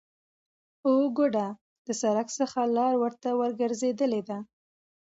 او گوډه د سرک څخه لار ورته ورگرځیدلې ده،